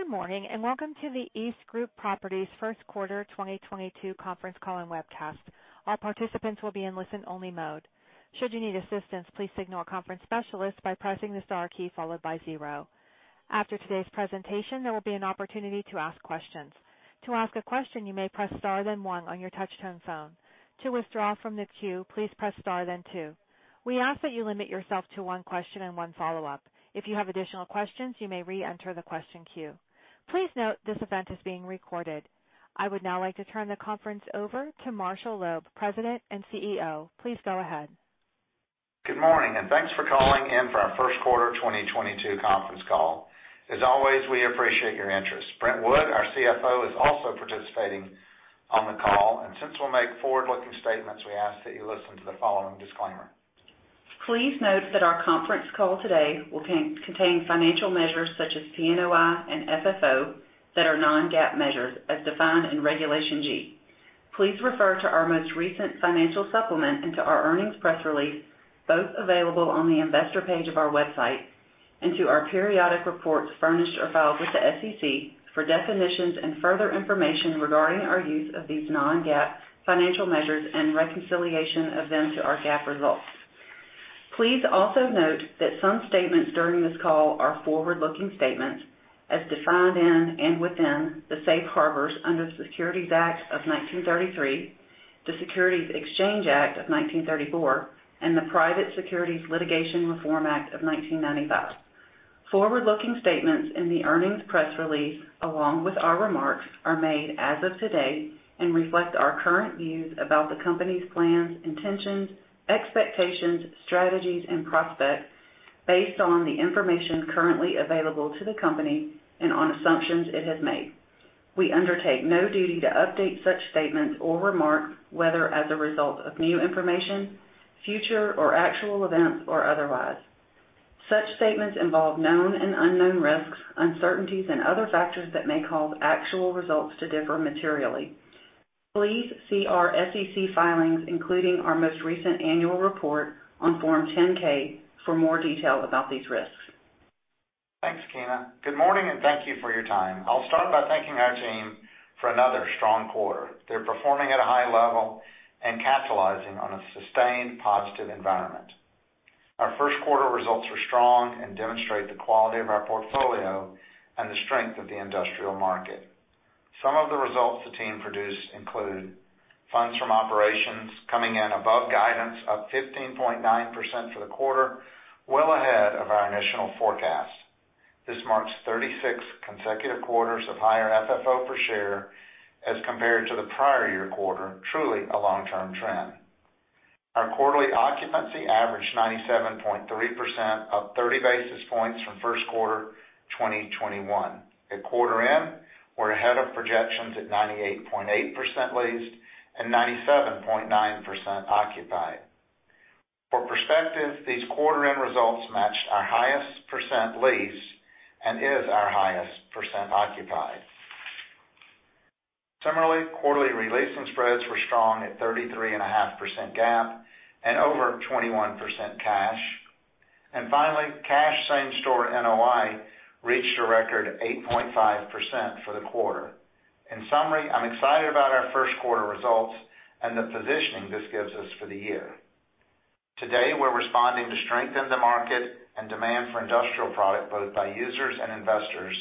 Good morning, and welcome to the EastGroup Properties First Quarter 2022 Conference Call and Webcast. All participants will be in listen-only mode. Should you need assistance, please signal a conference specialist by pressing the star key followed by zero. After today's presentation, there will be an opportunity to ask questions. To ask a question, you may press star then one on your touchtone phone. To withdraw from the queue, please press star then two. We ask that you limit yourself to one question and one follow-up. If you have additional questions, you may re-enter the question queue. Please note this event is being recorded. I would now like to turn the conference over to Marshall Loeb, President and CEO. Please go ahead. Good morning, and thanks for calling in for our first quarter 2022 conference call. As always, we appreciate your interest. Brent Wood, our CFO, is also participating on the call. Since we'll make forward-looking statements, we ask that you listen to the following disclaimer. Please note that our conference call today will contain financial measures such as PNOI and FFO that are non-GAAP measures as defined in Regulation G. Please refer to our most recent financial supplement and to our earnings press release, both available on the investor page of our website and to our periodic reports furnished or filed with the SEC for definitions and further information regarding our use of these non-GAAP financial measures and reconciliation of them to our GAAP results. Please also note that some statements during this call are forward-looking statements as defined in and within the safe harbors under the Securities Act of 1933, the Securities Exchange Act of 1934, and the Private Securities Litigation Reform Act of 1995. Forward-looking statements in the earnings press release, along with our remarks, are made as of today and reflect our current views about the company's plans, intentions, expectations, strategies, and prospects based on the information currently available to the company and on assumptions it has made. We undertake no duty to update such statements or remarks, whether as a result of new information, future or actual events, or otherwise. Such statements involve known and unknown risks, uncertainties, and other factors that may cause actual results to differ materially. Please see our SEC filings, including our most recent annual report on Form 10-K, for more detail about these risks. Thanks, Keena. Good morning, and thank you for your time. I'll start by thanking our team for another strong quarter. They're performing at a high level and capitalizing on a sustained positive environment. Our first quarter results were strong and demonstrate the quality of our portfolio and the strength of the industrial market. Some of the results the team produced include funds from operations coming in above guidance up 15.9% for the quarter, well ahead of our initial forecast. This marks 36 consecutive quarters of higher FFO per share as compared to the prior year quarter, truly a long-term trend. Our quarterly occupancy averaged 97.3%, up 30 basis points from first quarter 2021. At quarter end, we're ahead of projections at 98.8% leased and 97.9% occupied. For perspective, these quarter-end results matched our highest percent leased and is our highest percent occupied. Similarly, quarterly re-leasing spreads were strong at 33.5% GAAP and over 21% cash. Finally, cash same-store NOI reached a record 8.5% for the quarter. In summary, I'm excited about our first quarter results and the positioning this gives us for the year. Today, we're responding to strength in the market and demand for industrial product, both by users and investors,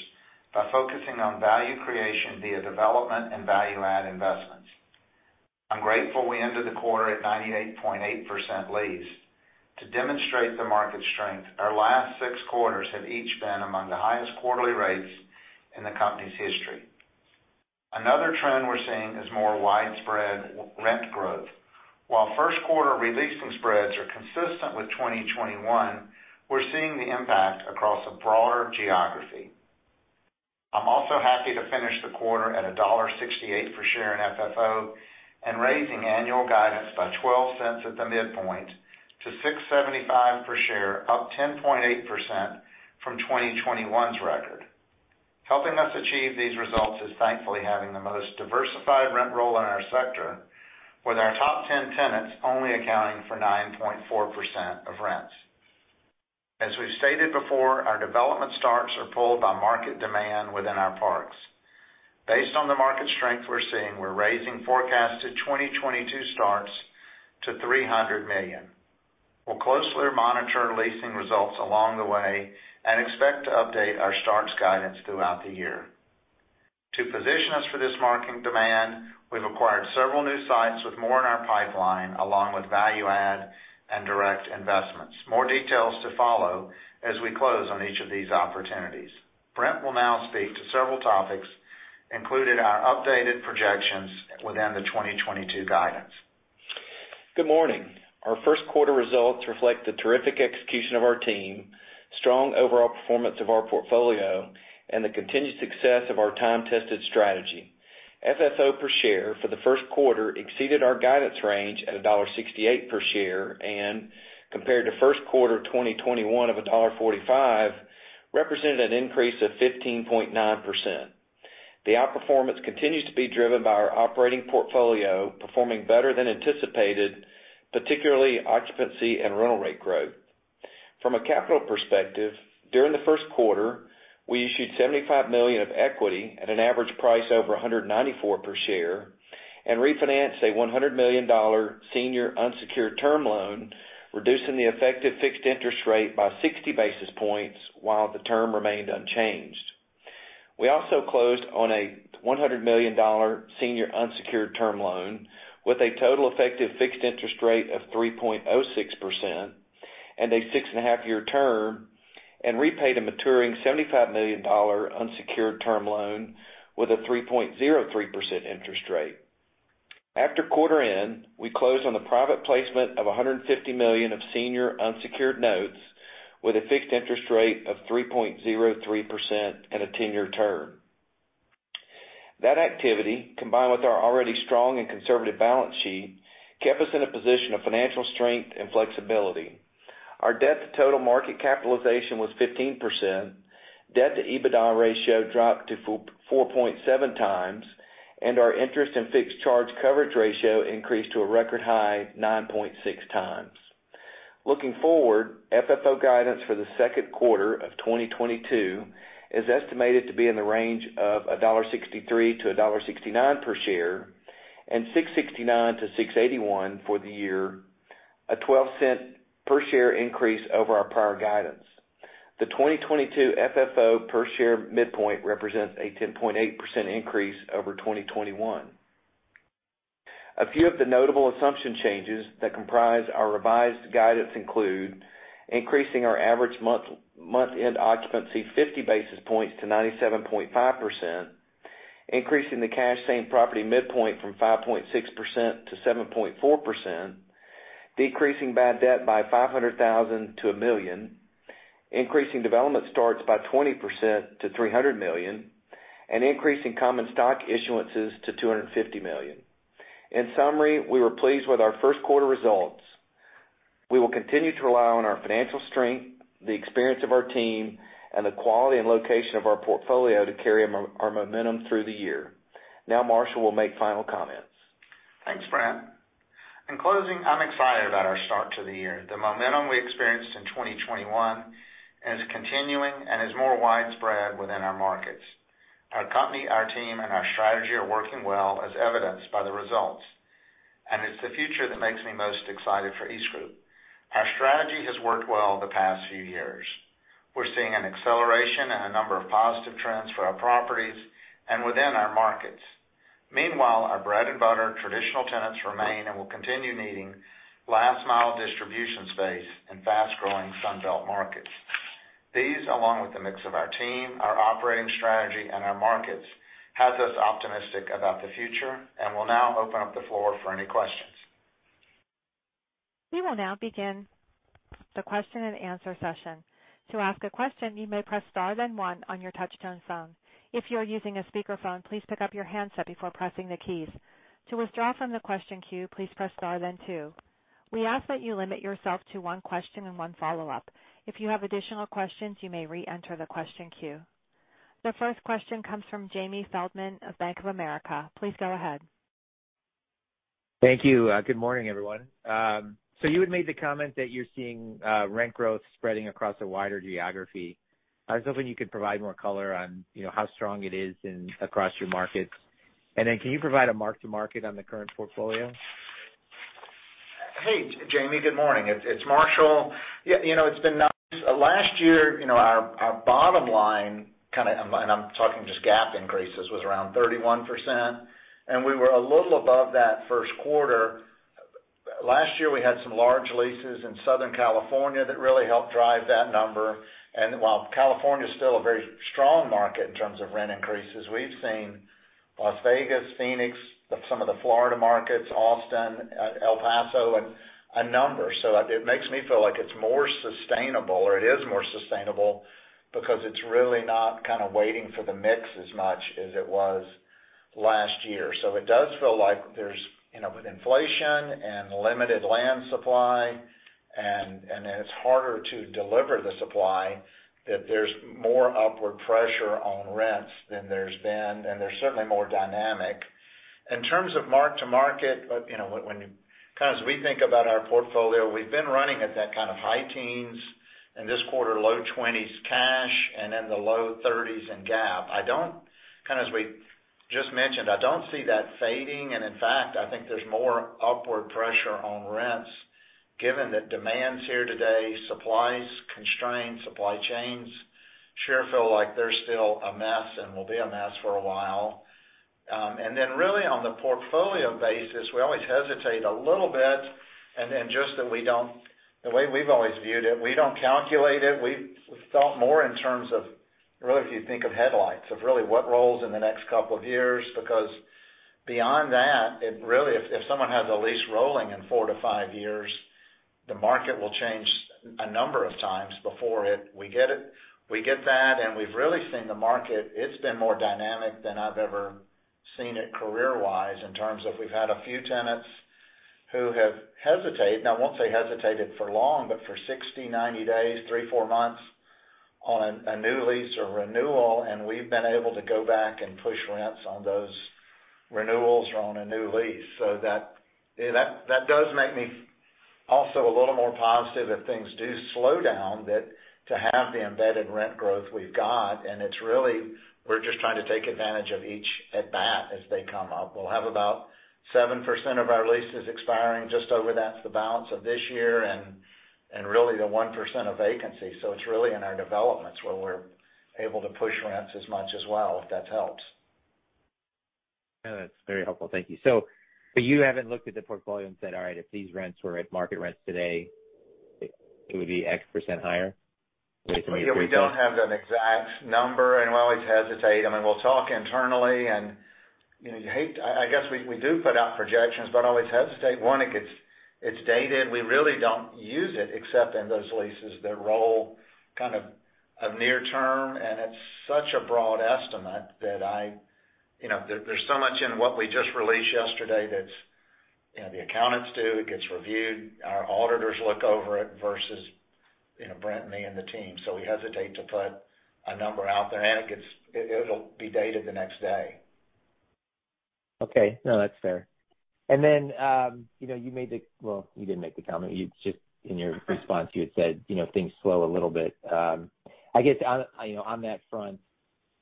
by focusing on value creation via development and value-add investments. I'm grateful we ended the quarter at 98.8% leased. To demonstrate the market strength, our last six quarters have each been among the highest quarterly rates in the company's history. Another trend we're seeing is more widespread rent growth. While first quarter re-leasing spreads are consistent with 2021, we're seeing the impact across a broader geography. I'm also happy to finish the quarter at $1.68 per share in FFO and raising annual guidance by $0.12 at the midpoint to $6.75 per share, up 10.8% from 2021's record. Helping us achieve these results is thankfully having the most diversified rent roll in our sector, with our top 10 tenants only accounting for 9.4% of rent. As we've stated before, our development starts are pulled by market demand within our parks. Based on the market strength we're seeing, we're raising forecasted 2022 starts to $300 million. We'll closely monitor leasing results along the way and expect to update our starts guidance throughout the year. To position us for this market demand, we've acquired several new sites with more in our pipeline, along with value add and direct investments. More details to follow as we close on each of these opportunities. Brent will now speak to several topics, including our updated projections within the 2022 guidance. Good morning. Our first quarter results reflect the terrific execution of our team, strong overall performance of our portfolio, and the continued success of our time-tested strategy. FFO per share for the first quarter exceeded our guidance range at $1.68 per share and compared to first quarter of 2021 of $1.45, represented an increase of 15.9%. The outperformance continues to be driven by our operating portfolio performing better than anticipated, particularly occupancy and rental rate growth. From a capital perspective, during the first quarter, we issued $75 million of equity at an average price over $194 per share, and refinanced a $100 million senior unsecured term loan, reducing the effective fixed interest rate by 60 basis points while the term remained unchanged. We also closed on a $100 million senior unsecured term loan with a total effective fixed interest rate of 3.06% and a 6.5-year term, and repaid a maturing $75 million unsecured term loan with a 3.03% interest rate. After quarter end, we closed on the private placement of $150 million of senior unsecured notes with a fixed interest rate of 3.03% and a 10-year term. That activity, combined with our already strong and conservative balance sheet, kept us in a position of financial strength and flexibility. Our debt to total market capitalization was 15%. Debt to EBITDA ratio dropped to 4.7x, and our interest and fixed charge coverage ratio increased to a record high 9.6x. Looking forward, FFO guidance for the second quarter of 2022 is estimated to be in the range of $1.63-$1.69 per share and $6.69-$6.81 for the year, a $0.12 per share increase over our prior guidance. The 2022 FFO per share midpoint represents a 10.8% increase over 2021. A few of the notable assumption changes that comprise our revised guidance include increasing our average month-end occupancy 50 basis points to 97.5%, increasing the cash same-store midpoint from 5.6% to 7.4%, decreasing bad debt by $500,000 to $1 million, increasing development starts by 20% to $300 million, and increasing common stock issuances to $250 million. In summary, we were pleased with our first quarter results. We will continue to rely on our financial strength, the experience of our team, and the quality and location of our portfolio to carry our momentum through the year. Now Marshall will make final comments. Thanks, Brent Wood. In closing, I'm excited about our start to the year. The momentum we experienced in 2021 is continuing and is more widespread within our markets. Our company, our team, and our strategy are working well, as evidenced by the results, and it's the future that makes me most excited for EastGroup. Our strategy has worked well the past few years. We're seeing an acceleration in a number of positive trends for our properties and within our markets. Meanwhile, our bread and butter traditional tenants remain and will continue needing last-mile distribution space in fast-growing Sun Belt markets. These, along with the mix of our team, our operating strategy, and our markets, has us optimistic about the future and will now open up the floor for any questions. We will now begin the question-and-answer session. To ask a question, you may press star then one on your touchtone phone. If you are using a speakerphone, please pick up your handset before pressing the keys. To withdraw from the question queue, please press star then two. We ask that you limit yourself to one question and one follow-up. If you have additional questions, you may reenter the question queue. The first question comes from Jamie Feldman of Bank of America. Please go ahead. Thank you. Good morning, everyone. You had made the comment that you're seeing rent growth spreading across a wider geography. I was hoping you could provide more color on, you know, how strong it is in across your markets. Can you provide a mark to market on the current portfolio? Hey, Jamie. Good morning. It's Marshall. Yeah, you know, it's been nice. Last year, you know, our bottom line kind of and I'm talking just GAAP increases was around 31%, and we were a little above that first quarter. Last year, we had some large leases in Southern California that really helped drive that number. While California is still a very strong market in terms of rent increases, we've seen Las Vegas, Phoenix, some of the Florida markets, Austin, El Paso, and a number. It makes me feel like it's more sustainable or it is more sustainable because it's really not kind of waiting for the mix as much as it was last year. It does feel like there's, you know, with inflation and limited land supply and it's harder to deliver the supply, that there's more upward pressure on rents than there's been, and they're certainly more dynamic. In terms of mark to market, you know, kinda as we think about our portfolio, we've been running at that kind of high teens and this quarter low twenties cash and in the low thirties in GAAP. I don't, kind of as we just mentioned, I don't see that fading. In fact, I think there's more upward pressure on rents given that demand's here today, supply constraints, supply chains sure feel like they're still a mess and will be a mess for a while. Really on the portfolio basis, we always hesitate a little bit and then just that we don't, the way we've always viewed it, we don't calculate it. We've thought more in terms of really if you think of headwinds, of really what rollovers in the next couple of years, because beyond that, it really if someone has a lease rolling in four to five years, the market will change a number of times before it, we get it. We get that, and we've really seen the market. It's been more dynamic than I've ever seen it career-wise in terms of we've had a few tenants who have hesitated, now I won't say hesitated for long, but for 60, 90 days, three, four months on a new lease or renewal, and we've been able to go back and push rents on those renewals or on a new lease. That does make me also a little more positive if things do slow down, that to have the embedded rent growth we've got and it's really, we're just trying to take advantage of each at bat as they come up. We'll have about 7% of our leases expiring just over that, the balance of this year and really the 1% of vacancy. It's really in our developments where we're able to push rents as much as well, if that helps. No, that's very helpful. Thank you. You haven't looked at the portfolio and said, all right, if these rents were at market rents today, it would be X% higher based on your- Yeah, we don't have an exact number, and we always hesitate. I mean, we'll talk internally, and you know, I guess we do put out projections, but always hesitate. One, it's dated. We really don't use it except in those leases that roll kind of near term. It's such a broad estimate that I, you know, there's so much in what we just released yesterday that's, you know, the accountants do, it gets reviewed. Our auditors look over it versus, you know, Brent, me, and the team. We hesitate to put a number out there, and it'll be dated the next day. Okay. No, that's fair. You know, well, you didn't make the comment. You just, in your response, you had said, you know, things slow a little bit. I guess on, you know, on that front,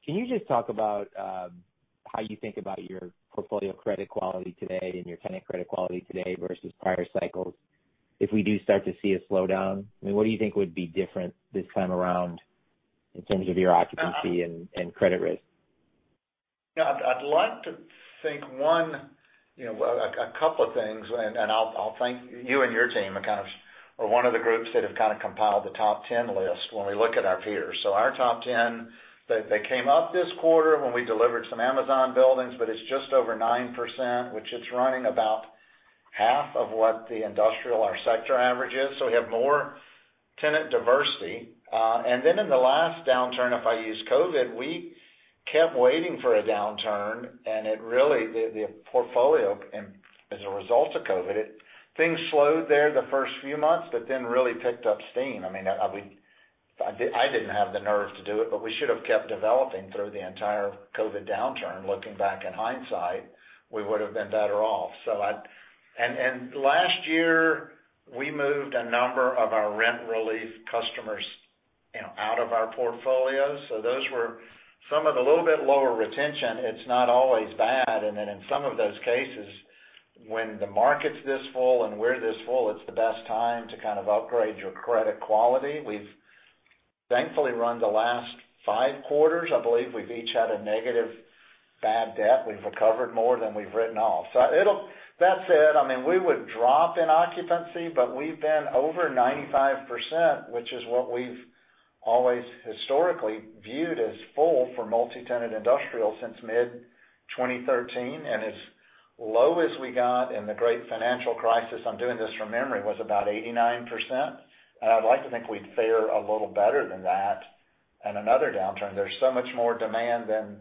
can you just talk about, how you think about your portfolio credit quality today and your tenant credit quality today versus prior cycles? If we do start to see a slowdown, I mean, what do you think would be different this time around in terms of your occupancy and credit risk? Yeah. I'd like to think one, you know, a couple of things, and I'll thank you and your team are kind of one of the groups that have kind of compiled the top ten list when we look at our peers. Our top ten, they came up this quarter when we delivered some Amazon buildings, but it's just over 9%, which is running about half of what the industrial, our sector average is. We have more tenant diversity. In the last downturn, if I use COVID, we kept waiting for a downturn, and it really. The portfolio and as a result of COVID, it, things slowed there the first few months, but then really picked up steam. I mean, I didn't have the nerve to do it, but we should have kept developing through the entire COVID downturn. Looking back in hindsight, we would have been better off. Last year, we moved a number of our rent relief customers, you know, out of our portfolio. Those were some of the little bit lower retention. It's not always bad. In some of those cases, when the market's this full and we're this full, it's the best time to kind of upgrade your credit quality. We've thankfully run the last five quarters, I believe, we've each had a negative bad debt. We've recovered more than we've written off. That said, I mean, we would drop in occupancy, but we've been over 95%, which is what we've always historically viewed as full for multi-tenant industrial since mid-2013. As low as we got in the Great Financial Crisis, I'm doing this from memory, was about 89%. I'd like to think we'd fare a little better than that in another downturn. There's so much more demand than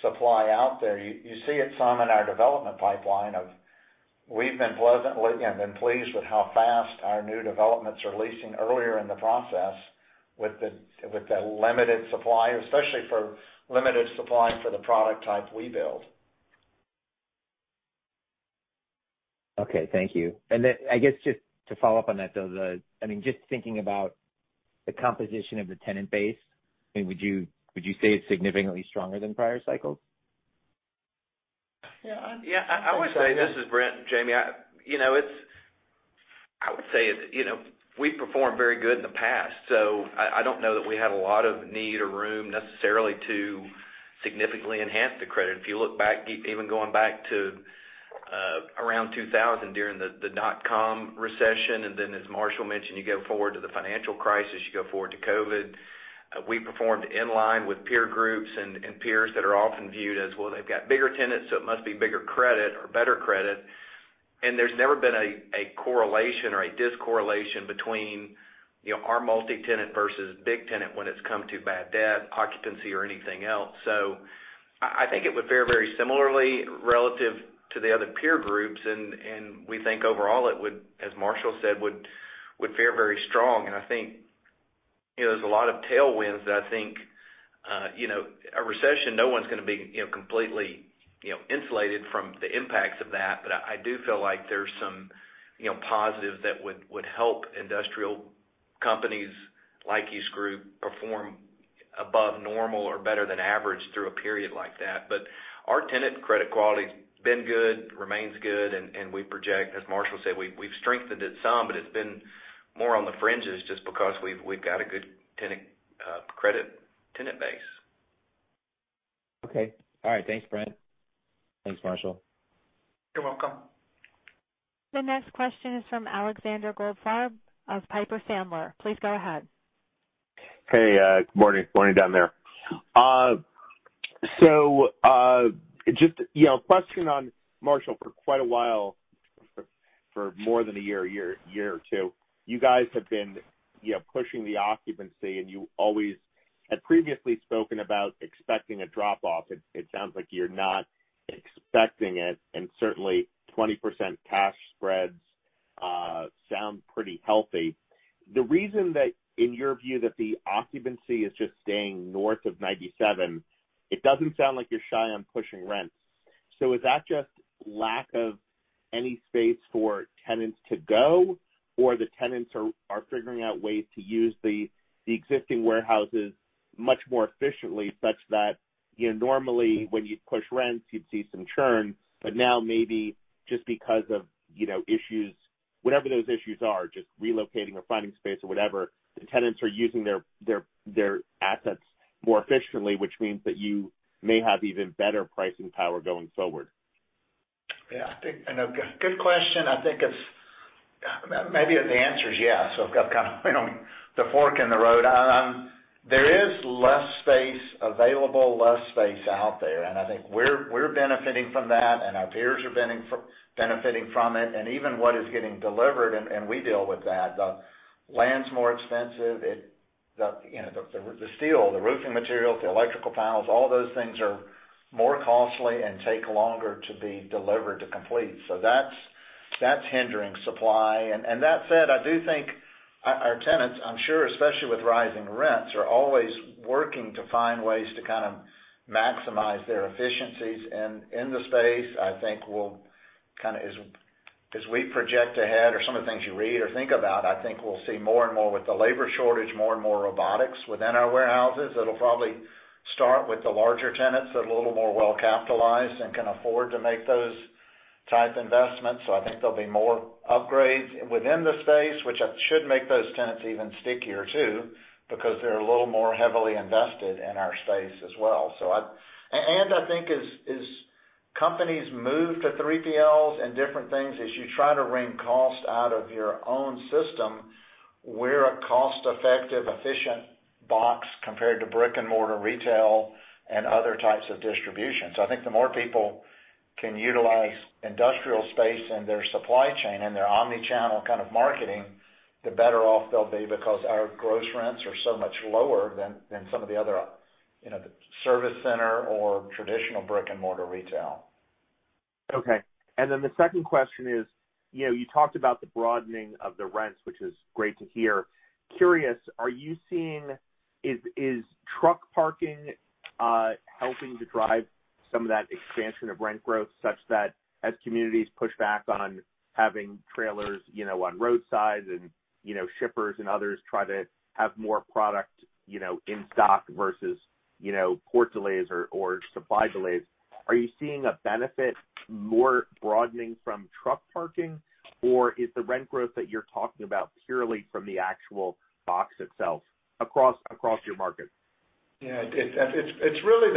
supply out there. You see it some in our development pipeline of we've been pleased with how fast our new developments are leasing earlier in the process with the limited supply, especially for limited supply for the product type we build. Okay. Thank you. I guess just to follow up on that, though, I mean, just thinking about the composition of the tenant base, I mean, would you say it's significantly stronger than prior cycles? Yeah. Yeah. I would say. This is Brent, Jamie. You know, it's. I would say it's, you know, we've performed very good in the past, so I don't know that we had a lot of need or room necessarily to significantly enhance the credit. If you look back, even going back to around 2000 during the dotcom recession, and then as Marshall mentioned, you go forward to the financial crisis, you go forward to COVID. We performed in line with peer groups and peers that are often viewed as, well, they've got bigger tenants, so it must be bigger credit or better credit. There's never been a correlation or a discorrelation between, you know, our multi-tenant versus big tenant when it's come to bad debt, occupancy, or anything else. I think it would fare very similarly relative to the other peer groups. We think overall it would, as Marshall said, fare very strong. I think, you know, there's a lot of tailwinds that I think, you know, a recession, no one's gonna be, you know, completely, you know, insulated from the impacts of that. I do feel like there's some, you know, positives that would help industrial companies like EastGroup perform above normal or better than average through a period like that. Our tenant credit quality's been good, remains good, and we project, as Marshall said, we've strengthened it some, but it's been more on the fringes just because we've got a good tenant credit tenant base. Okay. All right. Thanks, Brent. Thanks, Marshall. You're welcome. The next question is from Alexander Goldfarb of Piper Sandler. Please go ahead. Hey, good morning. Morning down there. Just, you know, question on Marshall for quite a while, for more than a year or two. You guys have been, you know, pushing the occupancy, and you always had previously spoken about expecting a drop off. It sounds like you're not expecting it, and certainly 20% cash spreads sound pretty healthy. The reason that, in your view, that the occupancy is just staying north of 97%, it doesn't sound like you're shy on pushing rents. Is that just lack of any space for tenants to go, or the tenants are figuring out ways to use the existing warehouses much more efficiently, such that, you know, normally when you push rents, you'd see some churn, but now maybe just because of, you know, issues, whatever those issues are, just relocating or finding space or whatever, the tenants are using their assets more efficiently, which means that you may have even better pricing power going forward? Yeah, I know. Good question. I think it's maybe the answer is yes. I've got kind of, you know, the fork in the road. There is less space available, less space out there, and I think we're benefiting from that, and our peers are benefiting from it. Even what is getting delivered, we deal with that, the land's more expensive. The steel, the roofing materials, the electrical panels, all those things are more costly and take longer to be delivered to complete. That's hindering supply. That said, I do think our tenants, I'm sure, especially with rising rents, are always working to find ways to kind of maximize their efficiencies. In the space, I think we'll kind of, as we project ahead or some of the things you read or think about, I think we'll see more and more with the labor shortage, more and more robotics within our warehouses. It'll probably start with the larger tenants that are a little more well capitalized and can afford to make those type investments. I think there'll be more upgrades within the space, which should make those tenants even stickier too, because they're a little more heavily invested in our space as well. I think as companies move to 3PLs and different things, as you try to wring cost out of your own system, we're a cost-effective, efficient box compared to brick-and-mortar retail and other types of distribution. I think the more people can utilize industrial space in their supply chain and their omni-channel kind of marketing, the better off they'll be because our gross rents are so much lower than some of the other, you know, service center or traditional brick-and-mortar retail. Okay. The second question is, you know, you talked about the broadening of the rents, which is great to hear. Curious, are you seeing truck parking helping to drive some of that expansion of rent growth, such that as communities push back on having trailers, you know, on roadsides and, you know, shippers and others try to have more product, you know, in stock versus, you know, port delays or supply delays? Are you seeing a benefit more broadening from truck parking? Or is the rent growth that you're talking about purely from the actual box itself across your market? Yeah. It's really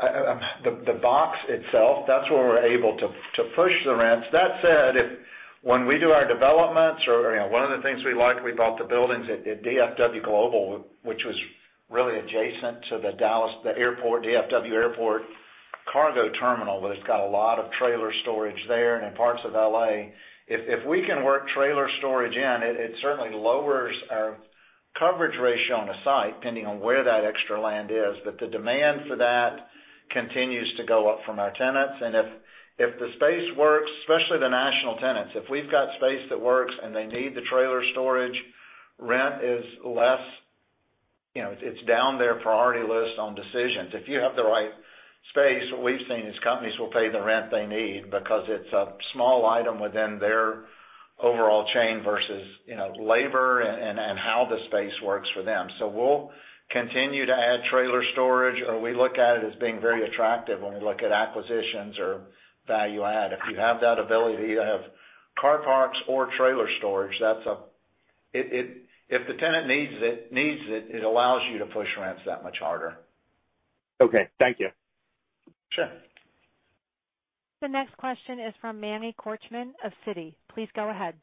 the box itself. That's where we're able to push the rents. That said, if when we do our developments or, you know, one of the things we liked, we bought the buildings at DFW Global, which was really adjacent to the Dallas airport, DFW Airport cargo terminal, that has got a lot of trailer storage there and in parts of LA. If we can work trailer storage in, it certainly lowers our coverage ratio on a site, depending on where that extra land is. But the demand for that continues to go up from our tenants. If the space works, especially the national tenants, if we've got space that works and they need the trailer storage, rent is less. You know, it's down their priority list on decisions. If you have the right space, what we've seen is companies will pay the rent they need because it's a small item within their overall chain versus, you know, labor and how the space works for them. We'll continue to add trailer storage, or we look at it as being very attractive when we look at acquisitions or value add. If you have that ability to have car parks or trailer storage, if the tenant needs it allows you to push rents that much harder. Okay, thank you. Sure. The next question is from Manny Korchman of Citi. Please go ahead.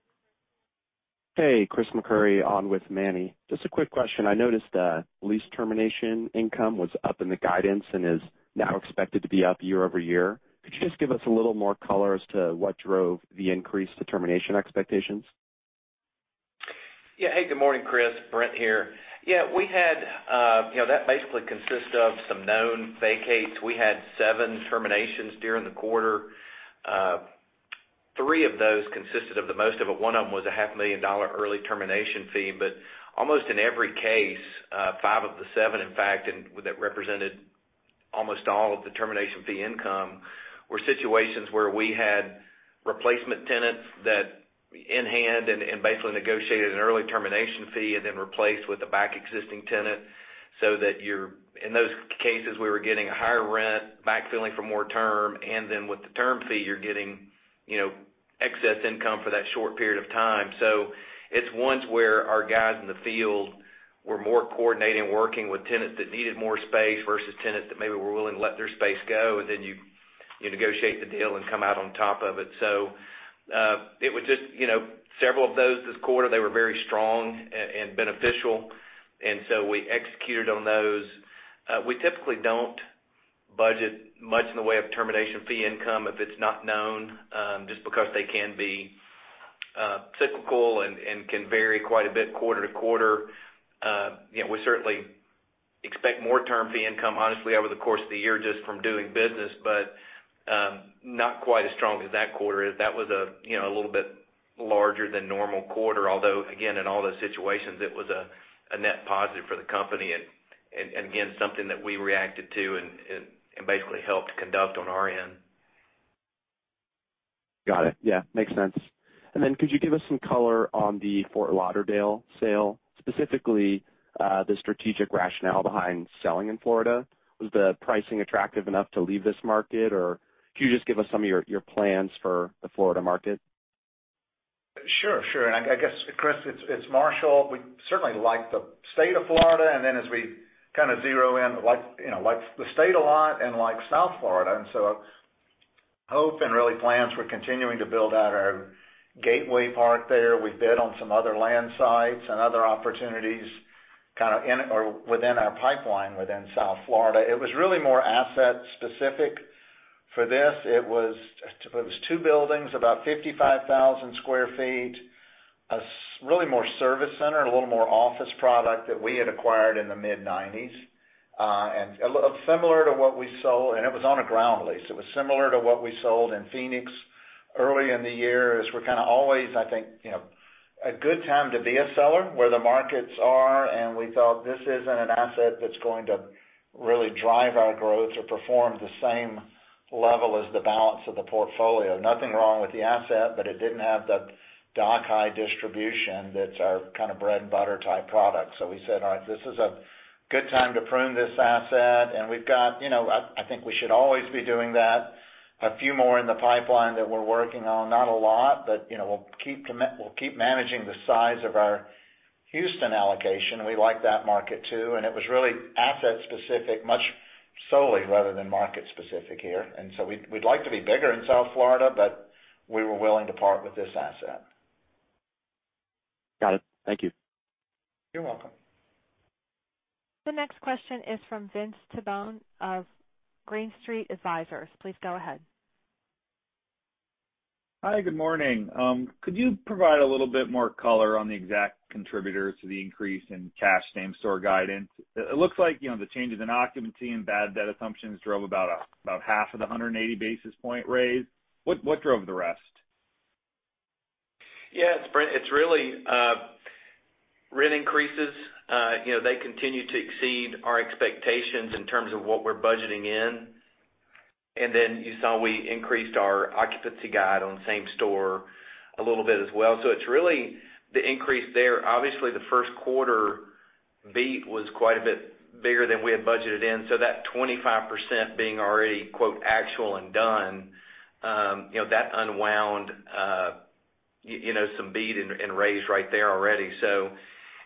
Hey, Chris McCurry on with Manny. Just a quick question. I noticed, lease termination income was up in the guidance and is now expected to be up year-over-year. Could you just give us a little more color as to what drove the increased termination expectations? Yeah. Hey, good morning, Chris. Brent here. Yeah, we had, you know, that basically consists of some known vacates. We had seven terminations during the quarter. Three of those consisted of most of it. One of them was a $ half million dollar early termination fee. Almost in every case, five of the seven, in fact, and that represented almost all of the termination fee income, were situations where we had replacement tenants in hand and basically negotiated an early termination fee and then backfilled with an existing tenant. In those cases, we were getting a higher rent, backfilling for longer term, and then with the term fee, you're getting, you know, excess income for that short period of time. It's ones where our guys in the field were more coordinating, working with tenants that needed more space versus tenants that maybe were willing to let their space go, and then you negotiate the deal and come out on top of it. It was just, you know, several of those this quarter. They were very strong and beneficial, and so we executed on those. We typically don't budget much in the way of termination fee income, if it's not known, just because they can be cyclical and can vary quite a bit quarter to quarter. You know, we certainly expect more term fee income, honestly, over the course of the year just from doing business, but not quite as strong as that quarter is. That was a, you know, a little bit larger than normal quarter. Although, again, in all those situations, it was a net positive for the company and again, something that we reacted to and basically helped conduct on our end. Got it. Yeah, makes sense. Could you give us some color on the Fort Lauderdale sale, specifically, the strategic rationale behind selling in Florida? Was the pricing attractive enough to leave this market, or could you just give us some of your plans for the Florida market? Sure. I guess, Chris, it's Marshall. We certainly like the state of Florida, and then as we kind of zero in, like, you know, we like the state a lot and like South Florida. Hopefully, our plans, we're continuing to build out our gateway park there. We bid on some other land sites and other opportunities kind of in or within our pipeline within South Florida. It was really more asset specific. For this, it was two buildings, about 55,000 sq ft, really more service center and a little more office product that we had acquired in the mid-nineties. And a little similar to what we sold, and it was on a ground lease. It was similar to what we sold in Phoenix early in the year, as we're kind of always, I think, you know, a good time to be a seller where the markets are, and we thought this isn't an asset that's going to really drive our growth or perform the same level as the balance of the portfolio. Nothing wrong with the asset, but it didn't have the dock-high distribution that's our kind of bread and butter type product. We said, "All right, this is a good time to prune this asset," and we've got, you know, I think we should always be doing that. A few more in the pipeline that we're working on, not a lot, but, you know, we'll keep managing the size of our Houston allocation. We like that market, too, and it was really asset specific, much solely rather than market specific here. We'd like to be bigger in South Florida, but we were willing to part with this asset. Got it. Thank you. You're welcome. The next question is from Vince Tibone of Green Street Advisors. Please go ahead. Hi, good morning. Could you provide a little bit more color on the exact contributors to the increase in cash same-store guidance? It looks like, you know, the changes in occupancy and bad debt assumptions drove about half of the 180 basis points raise. What drove the rest? Yeah, it's Brent. It's really rent increases. You know, they continue to exceed our expectations in terms of what we're budgeting in. Then you saw we increased our occupancy guide on same-store a little bit as well. It's really the increase there. Obviously, the first quarter beat was quite a bit bigger than we had budgeted in. That 25% being already, quote, "actual and done," you know, that unwound, you know, some beat and raise right there already.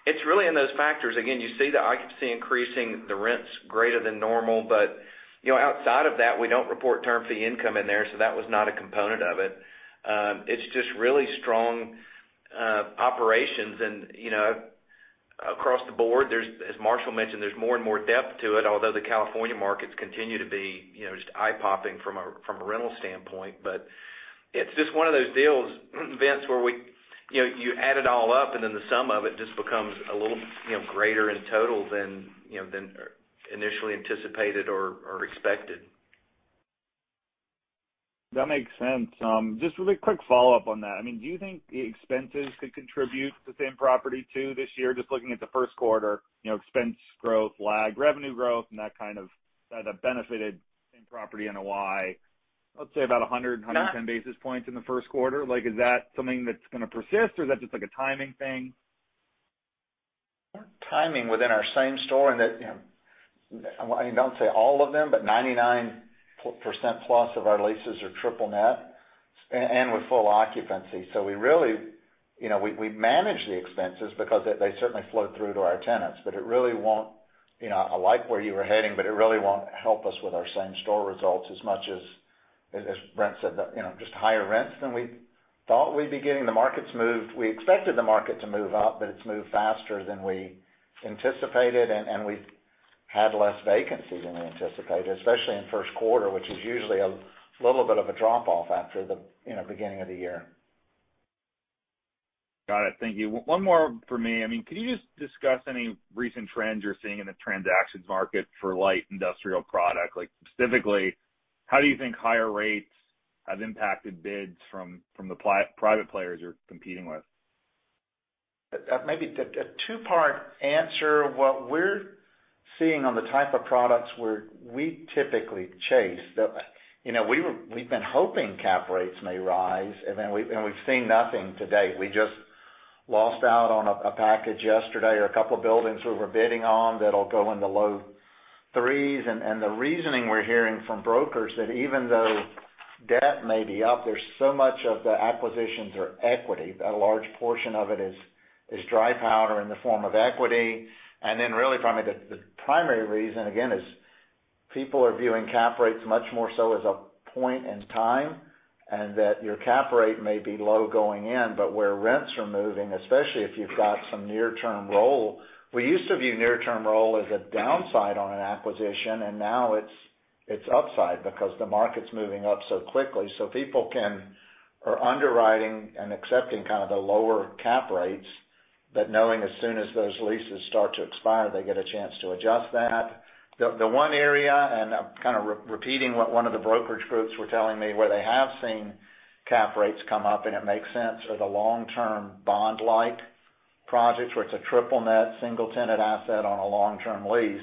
It's really in those factors. Again, you see the occupancy increasing, the rents greater than normal. You know, outside of that, we don't report term fee income in there, so that was not a component of it. It's just really strong operations. You know, across the board, there's. As Marshall mentioned, there's more and more depth to it, although the California markets continue to be, you know, just eye-popping from a rental standpoint. It's just one of those deals, Vince, where we, you know, you add it all up and then the sum of it just becomes a little, you know, greater in total than, you know, than initially anticipated or expected. That makes sense. Just really quick follow-up on that. I mean, do you think the expenses could contribute to same property too this year? Just looking at the first quarter, you know, expense growth lag revenue growth, and that kind of the benefited same property NOI, let's say about 110 basis points in the first quarter. Like, is that something that's gonna persist, or is that just like a timing thing? Timing within our same-store and that, you know, I don't say all of them, but 99%+ of our leases are triple net and with full occupancy. We really, you know, we manage the expenses because they certainly flow through to our tenants. It really won't, you know. I like where you were heading, but it really won't help us with our same-store results as much as Brent said, you know, just higher rents than we thought we'd be getting. The market's moved. We expected the market to move up, but it's moved faster than we anticipated, and we've had less vacancies than we anticipated, especially in first quarter, which is usually a little bit of a drop-off after the, you know, beginning of the year. Got it. Thank you. One more for me. I mean, could you just discuss any recent trends you're seeing in the transactions market for light industrial product? Like specifically, how do you think higher rates have impacted bids from the private players you're competing with? Maybe a two-part answer. What we're seeing on the type of products where we typically chase, you know, we've been hoping cap rates may rise, and then we've seen nothing to date. We just lost out on a package yesterday or a couple of buildings we were bidding on that'll go in the low threes. The reasoning we're hearing from brokers that even though debt may be up, there's so much of the acquisitions are equity. A large portion of it is dry powder in the form of equity. Really for me, the primary reason, again, is people are viewing cap rates much more so as a point in time, and that your cap rate may be low going in, but where rents are moving, especially if you've got some near-term roll, we used to view near-term roll as a downside on an acquisition, and now it's upside because the market's moving up so quickly, so people are underwriting and accepting kind of the lower cap rates, but knowing as soon as those leases start to expire, they get a chance to adjust that. The one area, and I'm kind of repeating what one of the brokerage groups were telling me, where they have seen cap rates come up, and it makes sense, are the long-term bond-like projects where it's a triple net, single-tenant asset on a long-term lease,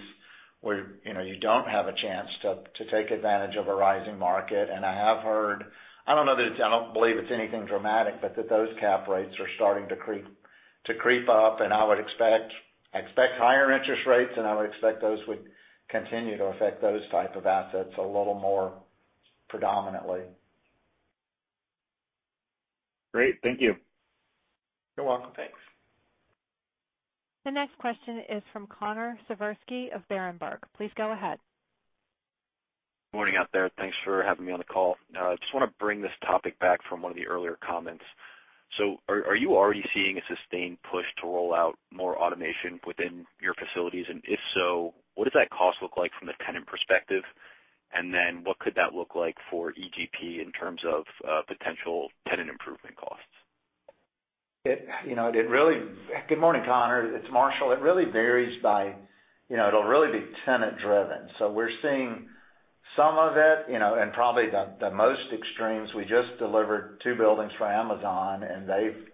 where, you know, you don't have a chance to take advantage of a rising market. I have heard. I don't know that it's. I don't believe it's anything dramatic, but that those cap rates are starting to creep up. I would expect higher interest rates, and I would expect those would continue to affect those type of assets a little more predominantly. Great. Thank you. You're welcome. Thanks. The next question is from Connor Siversky of Berenberg. Please go ahead. Morning out there. Thanks for having me on the call. Just wanna bring this topic back from one of the earlier comments. Are you already seeing a sustained push to roll out more automation within your facilities? If so, what does that cost look like from the tenant perspective? What could that look like for EGP in terms of potential tenant improvement costs? Good morning, Connor. It's Marshall. It really varies by, you know, it'll really be tenant driven. We're seeing some of it, you know, and probably the most extremes. We just delivered two buildings for Amazon, and they've,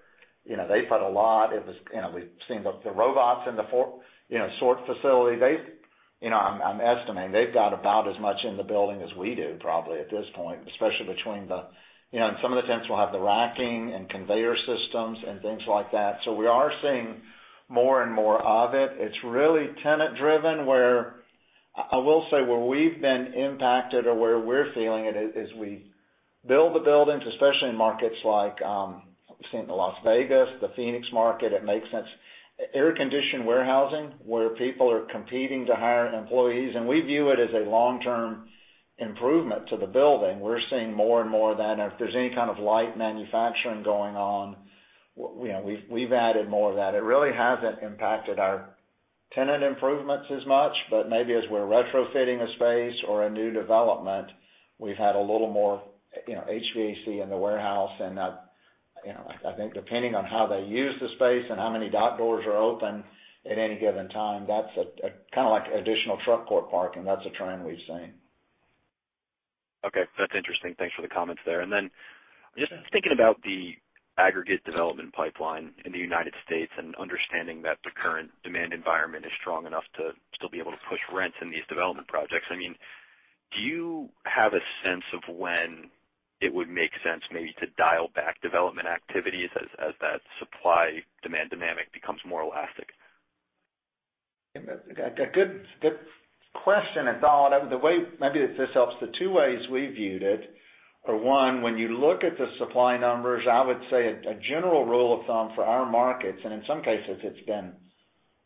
you know, they put a lot. It was, you know, we've seen the robots in the sort facility. They, you know, I'm estimating they've got about as much in the building as we do probably at this point, especially between the. You know, and some of the tenants will have the racking and conveyor systems and things like that. We are seeing more and more of it. It's really tenant driven where. I will say where we've been impacted or where we're feeling it is we build the buildings, especially in markets like we've seen the Las Vegas, the Phoenix market, it makes sense. Air-conditioned warehousing, where people are competing to hire employees, and we view it as a long-term improvement to the building. We're seeing more and more of that, and if there's any kind of light manufacturing going on, we know, we've added more of that. It really hasn't impacted our tenant improvements as much, but maybe as we're retrofitting a space or a new development, we've had a little more, you know, HVAC in the warehouse, and, you know, I think depending on how they use the space and how many dock doors are open at any given time, that's a kind of like additional truck court parking. That's a trend we've seen. Okay. That's interesting. Thanks for the comments there. Then just thinking about the aggregate development pipeline in the United States and understanding that the current demand environment is strong enough to still be able to push rents in these development projects. I mean, do you have a sense of when it would make sense maybe to dial back development activities as that supply-demand dynamic becomes more elastic? A good question. It's all the way maybe if this helps, the two ways we viewed it are, one, when you look at the supply numbers, I would say a general rule of thumb for our markets, and in some cases it's been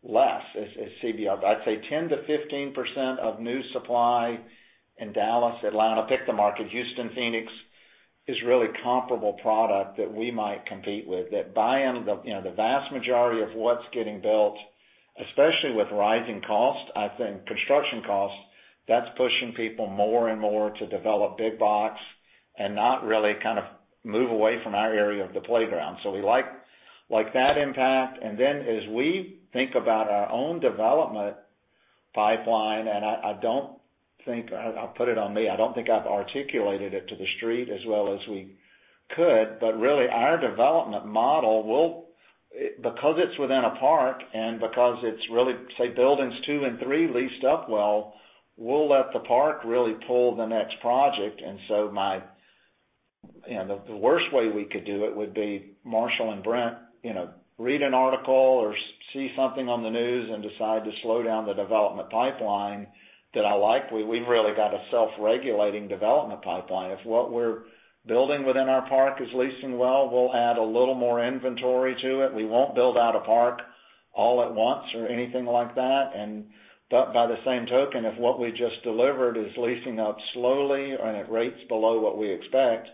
less as CBRE. I'd say 10%-15% of new supply in Dallas, Atlanta, pick the market, Houston, Phoenix, is really comparable product that we might compete with. That buying the, you know, the vast majority of what's getting built, especially with rising costs, I think construction costs, that's pushing people more and more to develop big box and not really kind of move away from our area of the playground. So we like that impact. Then as we think about our own development pipeline, and I don't think. I'll put it on me. I don't think I've articulated it to the street as well as we could. Really our development model will because it's within a park and because it's really, say, buildings 2 and 3 leased up well, we'll let the park really pull the next project. You know, the worst way we could do it would be Marshall and Brent, you know, read an article or see something on the news and decide to slow down the development pipeline that I like. We've really got a self-regulating development pipeline. If what we're building within our park is leasing well, we'll add a little more inventory to it. We won't build out a park all at once or anything like that. By the same token, if what we just delivered is leasing up slowly and at rates below what we expect,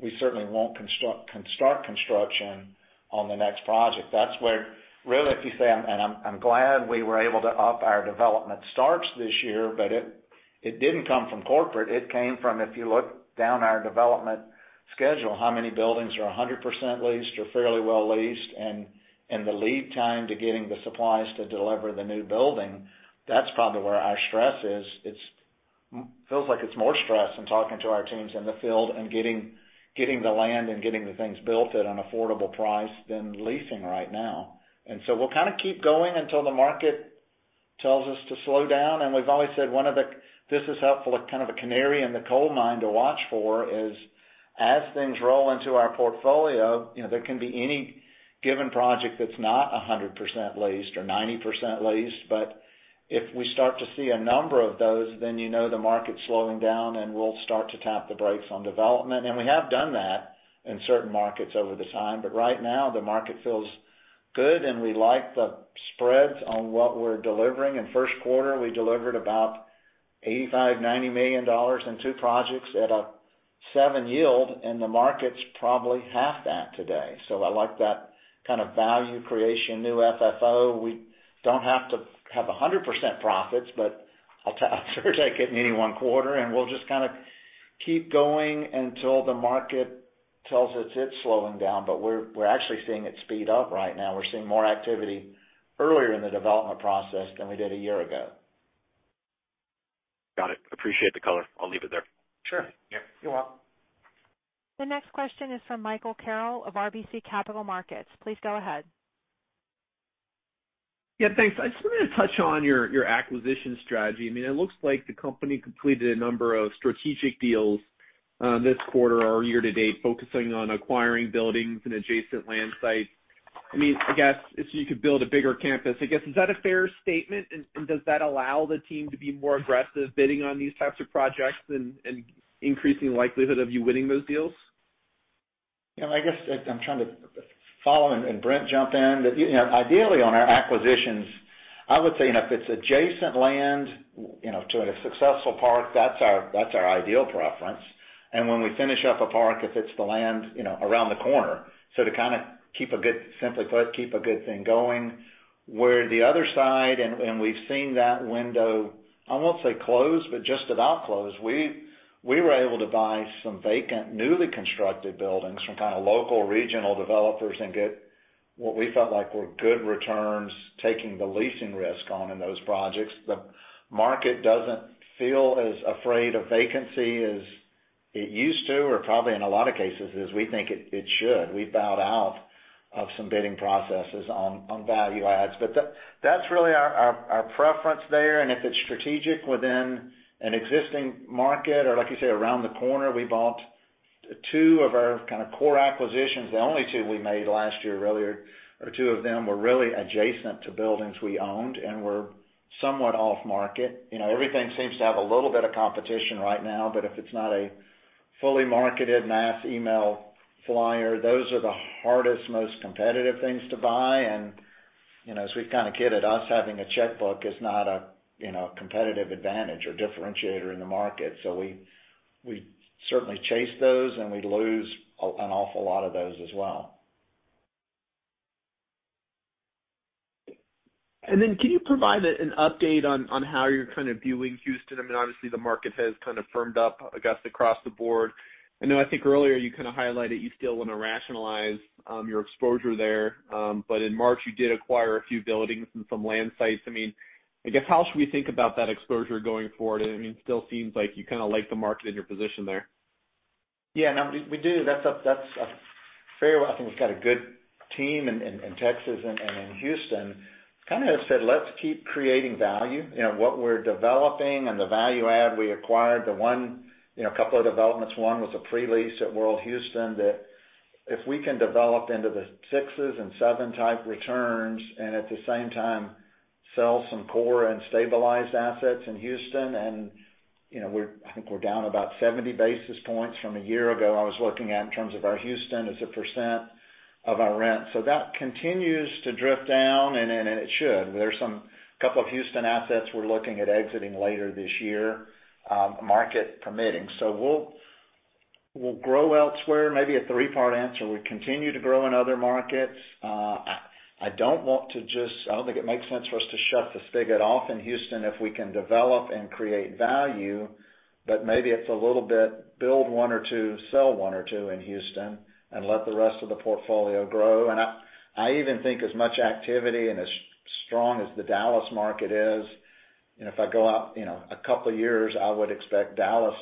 we certainly won't construct construction on the next project. That's where really, if you say, I'm glad we were able to up our development starts this year, but it didn't come from corporate, it came from, if you look down our development schedule, how many buildings are 100% leased or fairly well leased, and the lead time to getting the supplies to deliver the new building, that's probably where our stress is. Feels like it's more stress in talking to our teams in the field and getting the land and getting the things built at an affordable price than leasing right now. We'll kind of keep going until the market tells us to slow down. This is helpful, kind of a canary in the coal mine to watch for, is as things roll into our portfolio, you know, there can be any given project that's not 100% leased or 90% leased. If we start to see a number of those, then you know the market's slowing down, and we'll start to tap the brakes on development. We have done that in certain markets over the time. Right now, the market feels good, and we like the spreads on what we're delivering. In first quarter, we delivered about $85-$90 million in 2 projects at 7% yield, and the market's probably half that today. I like that kind of value creation, new FFO. We don't have to have 100% profits, but I'm sure it's not getting any one quarter, and we'll just kinda keep going until the market tells us it's slowing down. We're actually seeing it speed up right now. We're seeing more activity earlier in the development process than we did a year ago. Got it. Appreciate the color. I'll leave it there. Sure. Yeah, you're welcome. The next question is from Michael Carroll of RBC Capital Markets. Please go ahead. Yeah, thanks. I just wanted to touch on your acquisition strategy. I mean, it looks like the company completed a number of strategic deals this quarter or year-to-date, focusing on acquiring buildings and adjacent land sites. I mean, I guess if you could build a bigger campus, I guess, is that a fair statement? Does that allow the team to be more aggressive bidding on these types of projects and increasing likelihood of you winning those deals? You know, I guess I'm trying to follow and Brent jump in. You know, ideally on our acquisitions, I would say, you know, if it's adjacent land, you know, to a successful park, that's our ideal preference. When we finish up a park, if it's the land, you know, around the corner, so to kinda keep a good thing going. Simply put, keep a good thing going. On the other side, we've seen that window. I won't say closed, but just about closed. We were able to buy some vacant, newly constructed buildings from kind of local regional developers and get what we felt like were good returns, taking the leasing risk on in those projects. The market doesn't feel as afraid of vacancy as it used to, or probably in a lot of cases, as we think it should. We bowed out of some bidding processes on value adds. That's really our preference there. If it's strategic within an existing market or like you say, around the corner, we bought two of our kind of core acquisitions. The only two we made last year, really, or two of them were really adjacent to buildings we owned and were somewhat off market. You know, everything seems to have a little bit of competition right now, but if it's not a fully marketed mass email flyer, those are the hardest, most competitive things to buy. You know, as we've kind of kidded, us having a checkbook is not a competitive advantage or differentiator in the market. We certainly chase those, and we lose an awful lot of those as well. Can you provide an update on how you're kind of viewing Houston? I mean, obviously the market has kind of firmed up, I guess, across the board. I know, I think earlier you kind of highlighted you still wanna rationalize your exposure there. But in March, you did acquire a few buildings and some land sites. I mean, I guess, how should we think about that exposure going forward? I mean, it still seems like you kind of like the market and your position there. Yeah, no, we do. That's a fair. I think we've got a good team in Texas and in Houston. Kind of has said, "Let's keep creating value." You know, what we're developing and the value add we acquired, the one. You know, a couple of developments. One was a pre-lease at World Houston that if we can develop into the sixes and seven type returns and at the same time sell some core and stabilized assets in Houston and, you know, we're. I think we're down about 70 basis points from a year ago. I was looking at in terms of our Houston as a % of our rent. So that continues to drift down, and it should. There's some couple of Houston assets we're looking at exiting later this year, market permitting. So we'll grow elsewhere. Maybe a three-part answer. We continue to grow in other markets. I don't think it makes sense for us to shut the spigot off in Houston if we can develop and create value, but maybe it's a little bit build one or two, sell one or two in Houston and let the rest of the portfolio grow. I even think as much activity and as strong as the Dallas market is, and if I go out, you know, a couple of years, I would expect Dallas.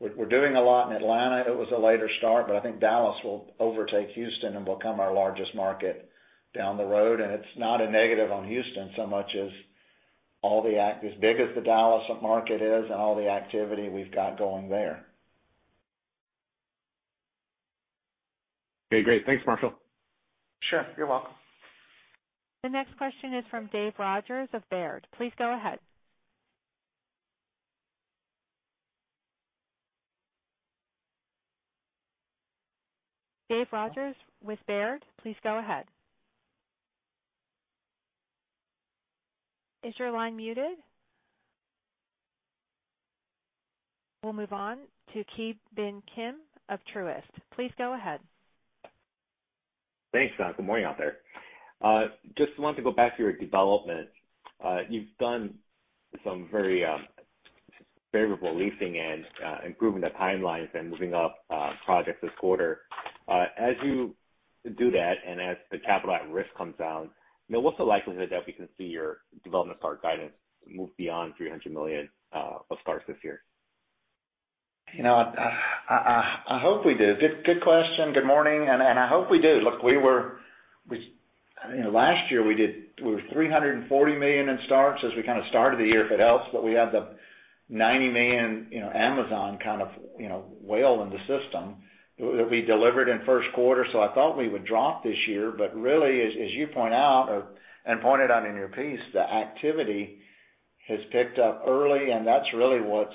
We're doing a lot in Atlanta. It was a later start, but I think Dallas will overtake Houston and become our largest market down the road. It's not a negative on Houston so much as. As big as the Dallas market is and all the activity we've got going there. Okay, great. Thanks, Marshall. Sure. You're welcome. The next question is from Dave Rodgers of Baird. Please go ahead. Dave Rodgers with Baird, please go ahead. Is your line muted? We'll move on to Ki Bin Kim of Truist. Please go ahead. Thanks. Good morning, out there. Just wanted to go back to your development. You've done some very favorable leasing and improving the timelines and moving up projects this quarter. As you do that and as the capital at risk comes down, you know, what's the likelihood that we can see your development start guidance move beyond $300 million of starts this year? You know, I hope we do. Good question. Good morning. I hope we do. Look, you know, last year we were $340 million in starts as we kind of started the year, if it helps. But we had the $90 million, you know, Amazon kind of, you know, whale in the system we delivered in first quarter. I thought we would drop this year. Really, as you pointed out in your piece, the activity has picked up early, and that's really what's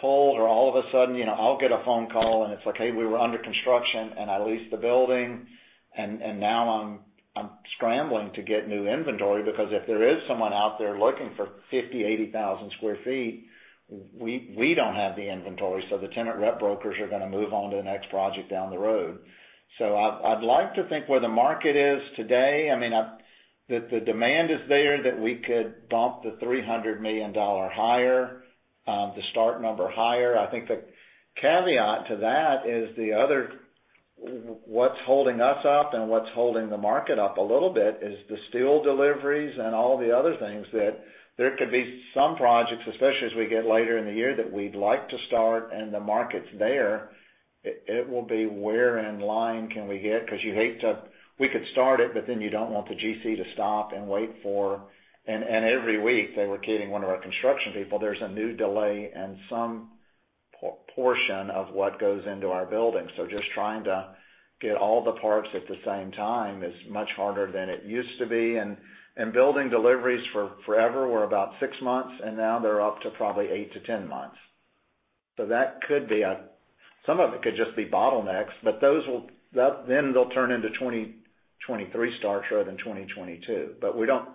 pulled forward all of a sudden, you know, I'll get a phone call, and it's like, "Hey, we were under construction, and I leased the building, and now I'm scrambling to get new inventory because if there is someone out there looking for 50,000-80,000 sq ft, we don't have the inventory, so the tenant rep brokers are gonna move on to the next project down the road. I'd like to think where the market is today, I mean, the demand is there that we could bump the $300 million higher, the start number higher. I think the caveat to that is the other. What's holding us up and what's holding the market up a little bit is the steel deliveries and all the other things that there could be some projects, especially as we get later in the year, that we'd like to start and the market's there. It will be where in line can we get? 'Cause you hate to. We could start it, but then you don't want the GC to stop and wait for. Every week, they were kidding one of our construction people, there's a new delay and some portion of what goes into our building. Just trying to get all the parts at the same time is much harder than it used to be. Building deliveries for forever were about six months, and now they're up to probably eight to 10 months. That could be a. Some of it could just be bottlenecks, but those will turn into 2023 starts rather than 2022. We don't sense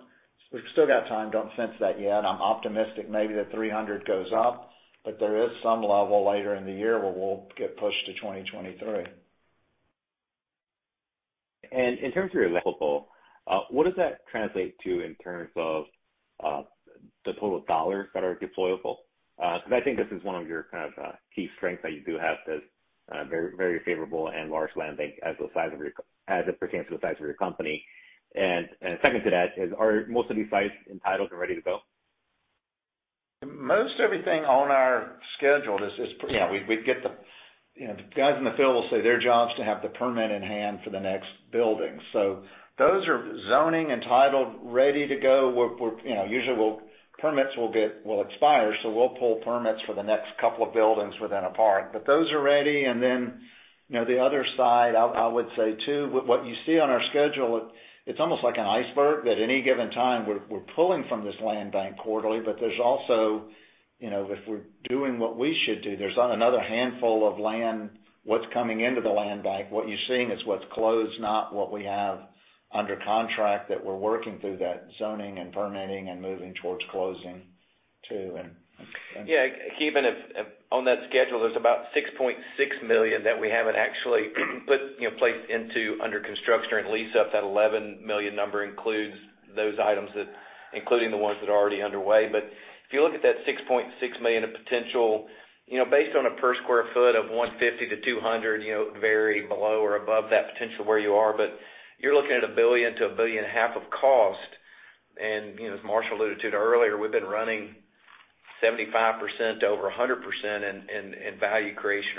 that yet. We've still got time. I'm optimistic, maybe the 300 goes up, but there is some level later in the year where we'll get pushed to 2023. In terms of your level, what does that translate to in terms of the total dollars that are deployable? Because I think this is one of your kind of key strengths that you do have this very very favorable and large land bank as it pertains to the size of your company. Second to that is, are most of these sites entitled and ready to go? Most everything on our schedule is. You know, the guys in the field will say their job is to have the permit in hand for the next building. Those are zoning, entitled, ready to go. You know, usually permits will expire, so we'll pull permits for the next couple of buildings within a park. Those are ready. Then, you know, on the other side, I would say too, what you see on our schedule, it's almost like an iceberg that at any given time we're pulling from this land bank quarterly. There's also, you know, if we're doing what we should do, there's another handful of land that's coming into the land bank. What you're seeing is what's closed, not what we have under contract that we're working through that zoning and permitting and moving towards closing too. Yeah. Ki Bin, if. On that schedule, there's about $6.6 million that we haven't actually put, you know, placed into under construction or in lease up. That $11 million number includes those items including the ones that are already underway. If you look at that $6.6 million of potential, you know, based on a per sq ft of $150-$200, you know, vary below or above that potential where you are, but you're looking at $1 billion-$1.5 billion of cost. You know, as Marshall alluded to earlier, we've been running 75%-over 100% in value creation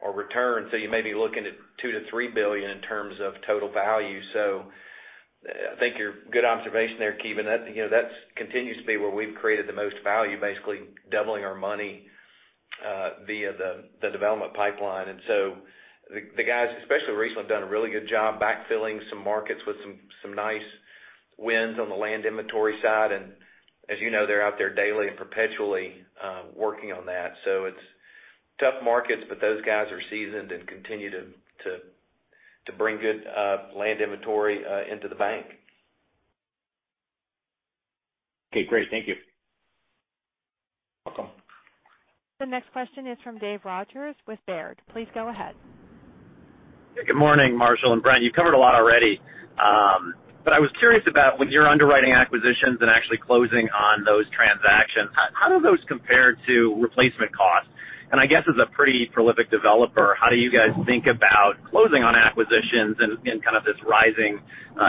or return. You may be looking at $2 billion-$3 billion in terms of total value. I think you're good observation there, Ki Bin. That, you know, that continues to be where we've created the most value, basically doubling our money via the development pipeline. The guys, especially recently, have done a really good job backfilling some markets with some nice wins on the land inventory side. As you know, they're out there daily and perpetually working on that. It's tough markets, but those guys are seasoned and continue to bring good land inventory into the bank. Okay, great. Thank you. Welcome. The next question is from Dave Rodgers with Baird. Please go ahead. Good morning, Marshall and Brent. You've covered a lot already. I was curious about when you're underwriting acquisitions and actually closing on those transactions, how do those compare to replacement costs? I guess, as a pretty prolific developer, how do you guys think about closing on acquisitions in kind of this rising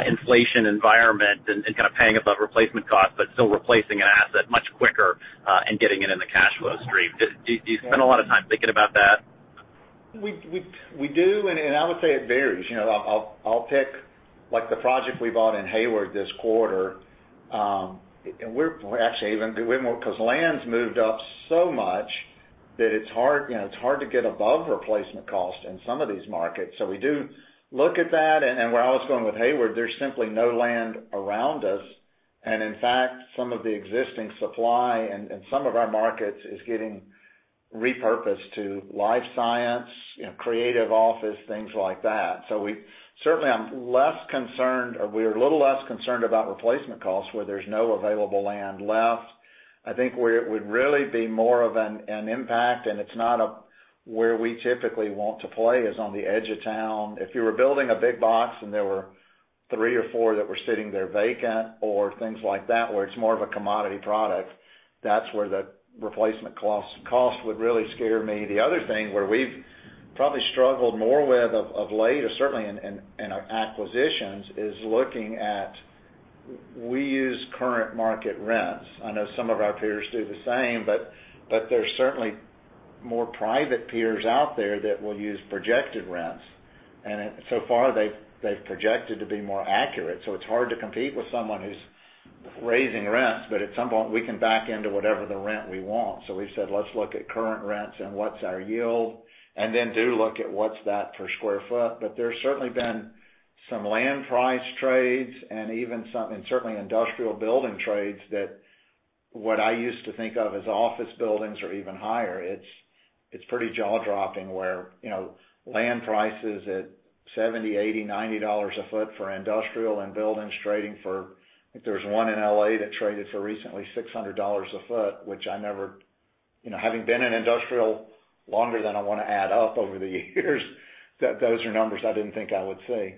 inflation environment and kind of paying above replacement costs, but still replacing an asset much quicker and getting it in the cash flow stream? Do you spend a lot of time thinking about that? We do. I would say it varies. You know, I'll pick, like, the project we bought in Hayward this quarter, and we're actually more 'cause land's moved up so much that it's hard, you know, it's hard to get above replacement cost in some of these markets. So we do look at that. Where I was going with Hayward, there's simply no land around us, and in fact, some of the existing supply in some of our markets is getting repurposed to life science, you know, creative office, things like that. So we certainly am less concerned, or we're a little less concerned about replacement costs where there's no available land left. I think where it would really be more of an impact, and it's not where we typically want to play, is on the edge of town. If you were building a big box and there were three or four that were sitting there vacant or things like that, where it's more of a commodity product, that's where the replacement cost would really scare me. The other thing where we've probably struggled more with of late, or certainly in our acquisitions, is looking at. We use current market rents. I know some of our peers do the same, but there's certainly more private peers out there that will use projected rents. And so far, they've projected to be more accurate, so it's hard to compete with someone who's raising rents. At some point, we can back into whatever the rent we want. We've said, "Let's look at current rents and what's our yield, and then do look at what's that per square foot." There's certainly been some land price trades and even some industrial building trades that, what I used to think of as office buildings, are even higher. It's pretty jaw-dropping where, you know, land prices at $70, $80, $90 per sq ft for industrial and buildings trading for $600 per sq ft. I think there's one in L.A. that traded recently for $600 per sq ft, which I never, you know, having been in industrial longer than I wanna add up over the years, that those are numbers I didn't think I would say.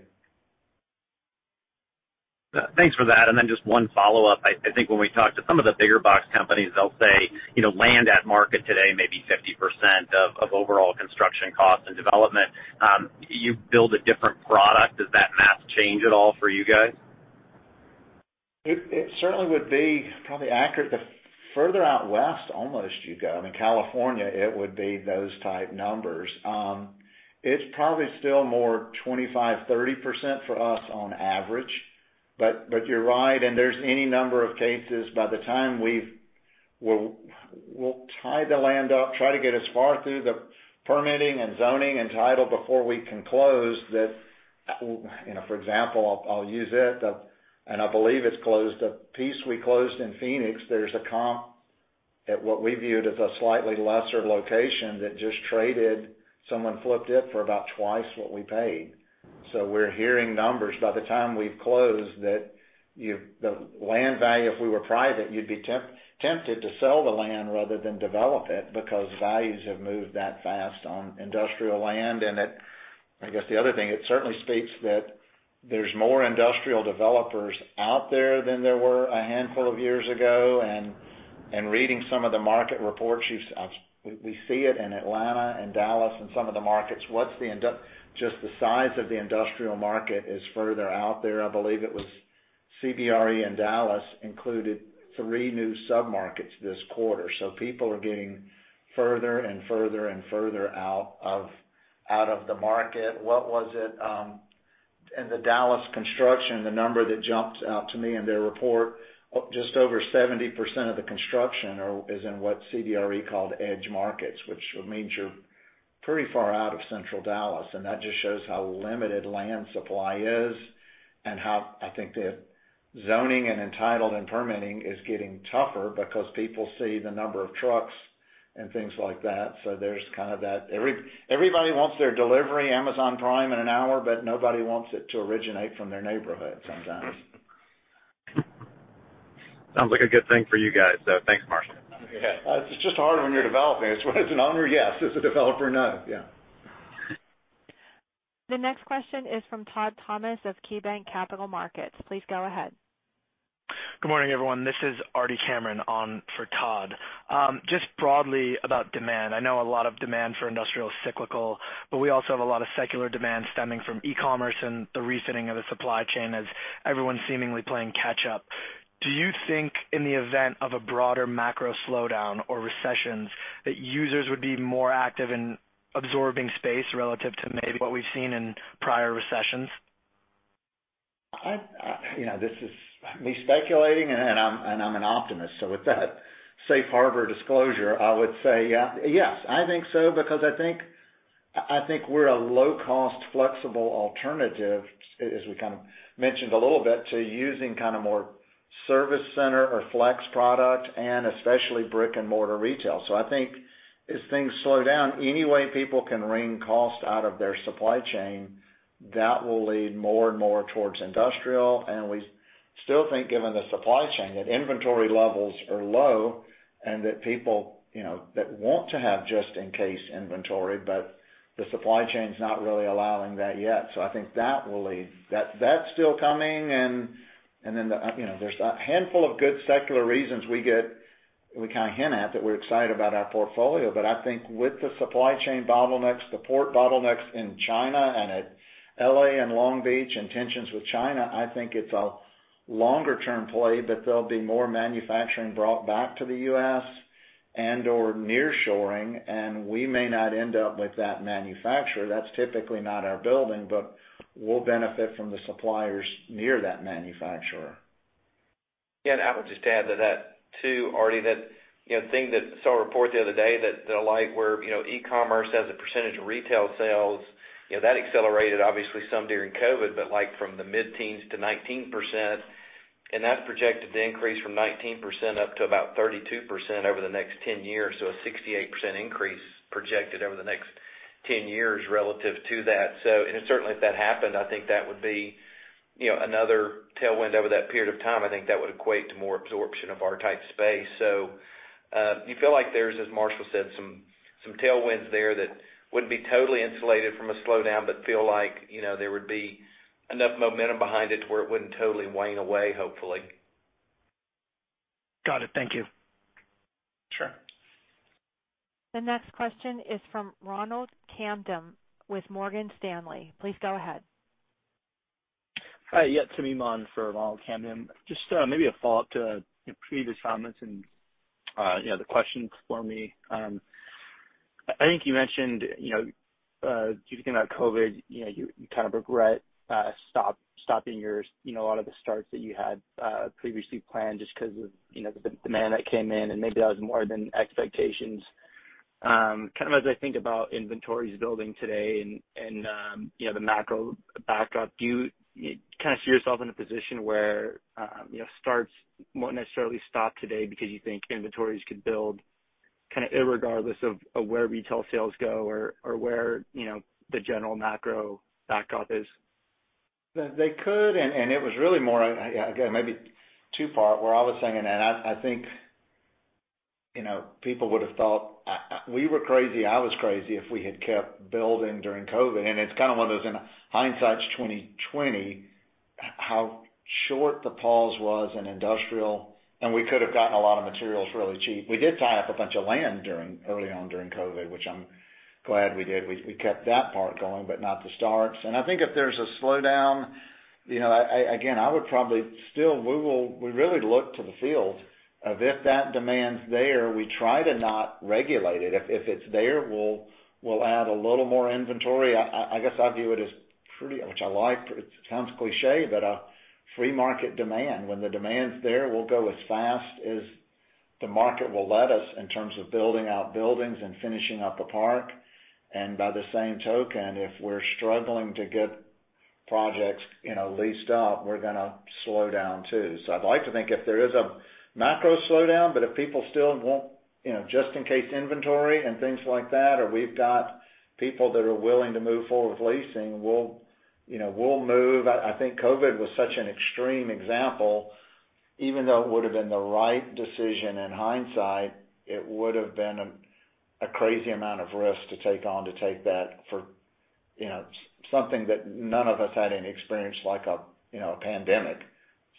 Thanks for that. Just one follow-up. I think when we talk to some of the big box companies, they'll say, you know, land at market today may be 50% of overall construction costs and development. You build a different product, does that math change at all for you guys? It certainly would be probably accurate. The further out west almost you go, in California, it would be those type numbers. It's probably still more 25%-30% for us on average. But you're right, and there's any number of cases. By the time we'll tie the land up, try to get as far through the permitting and zoning and title before we can close that, for example, I'll use it. I believe it's closed. The piece we closed in Phoenix, there's a comp at what we viewed as a slightly lesser location that just traded. Someone flipped it for about twice what we paid. We're hearing numbers by the time we've closed that the land value, if we were private, you'd be tempted to sell the land rather than develop it because values have moved that fast on industrial land. I guess the other thing, it certainly speaks that there's more industrial developers out there than there were a handful of years ago. Reading some of the market reports, we see it in Atlanta and Dallas and some of the markets. Just the size of the industrial market is further out there. I believe it was CBRE in Dallas included three new submarkets this quarter. People are getting further and further and further out of the market. What was it, in the Dallas construction, the number that jumped out to me in their report, just over 70% of the construction is in what CBRE called edge markets, which means you're pretty far out of Central Dallas. That just shows how limited land supply is and how I think the zoning and entitled and permitting is getting tougher because people see the number of trucks and things like that. There's kind of that everybody wants their delivery Amazon Prime in an hour, but nobody wants it to originate from their neighborhood sometimes. Sounds like a good thing for you guys, though. Thanks, Marshall. Yeah. It's just hard when you're developing. As an owner, yes. As a developer, no. Yeah. The next question is from Todd Thomas of KeyBanc Capital Markets. Please go ahead. Good morning, everyone. This is Artie Cameron on for Todd. Just broadly about demand. I know a lot of demand for industrial is cyclical, but we also have a lot of secular demand stemming from e-commerce and the resetting of the supply chain as everyone's seemingly playing catch up. Do you think in the event of a broader macro slowdown or recessions, that users would be more active in absorbing space relative to maybe what we've seen in prior recessions? You know, this is me speculating, and I'm an optimist, so with that safe harbor disclosure, I would say yes, I think so, because I think we're a low cost, flexible alternative, as we kind of mentioned a little bit, to using kind of more service center or flex product and especially brick-and-mortar retail. I think as things slow down, any way people can wring costs out of their supply chain, that will lead more and more towards industrial. We still think given the supply chain, that inventory levels are low and that people, you know, that want to have just in case inventory, but the supply chain's not really allowing that yet. I think that will lead. That's still coming. you know, there's a handful of good secular reasons we kind of hint at that we're excited about our portfolio. I think with the supply chain bottlenecks, the port bottlenecks in China and at L.A. and Long Beach and tensions with China, I think it's a longer term play that there'll be more manufacturing brought back to the U.S. and/or nearshoring. We may not end up with that manufacturer. That's typically not our building, but we'll benefit from the suppliers near that manufacturer. Yeah, I would just add to that, too, Artie, that, you know, saw a report the other day that, like where, you know, e-commerce as a percentage of retail sales, you know, that accelerated obviously some during COVID, but like from the mid-teens to 19%. That's projected to increase from 19% up to about 32% over the next 10 years. A 68% increase projected over the next 10 years relative to that. Certainly if that happened, I think that would be, you know, another tailwind over that period of time. I think that would equate to more absorption of our type space. You feel like there's, as Marshall said, some tailwinds there that wouldn't be totally insulated from a slowdown, but feel like, you know, there would be enough momentum behind it to where it wouldn't totally wane away, hopefully. Got it. Thank you. Sure. The next question is from Ronald Kamdem with Morgan Stanley. Please go ahead. Hi. Yeah, it's Iman for Ronald Kamdem. Just maybe a follow-up to, you know, previous comments and, you know, the questions for me. I think you mentioned, you know, thinking about COVID, you know, you kind of regret stopping a lot of the starts that you had previously planned just 'cause of, you know, the demand that came in, and maybe that was more than expectations. Kind of as I think about inventories building today and, you know, the macro backdrop, do you kind of see yourself in a position where, you know, starts won't necessarily stop today because you think inventories could build kinda irregardless of where retail sales go or where, you know, the general macro backdrop is? They could, and it was really more, I again, maybe two-part where I was saying, and I think, you know, people would've thought we were crazy if we had kept building during COVID. It's kind of one of those, in hindsight's 20/20, how short the pause was in industrial, and we could have gotten a lot of materials really cheap. We did tie up a bunch of land early on during COVID, which I'm glad we did. We kept that part going, but not the starts. I think if there's a slowdown, you know, again, we really look to the feel of if that demand's there, we try to not regulate it. If it's there, we'll add a little more inventory. I guess I view it as pretty, which I like. It sounds cliché, but a free market demand. When the demand's there, we'll go as fast as the market will let us in terms of building out buildings and finishing up a park. By the same token, if we're struggling to get projects, you know, leased up, we're gonna slow down too. I'd like to think if there is a macro slowdown, but if people still want, you know, just in case inventory and things like that, or we've got people that are willing to move forward with leasing, we'll, you know, we'll move. I think COVID was such an extreme example, even though it would've been the right decision in hindsight. It would've been a crazy amount of risk to take that for, you know, something that none of us had any experience like, you know, a pandemic.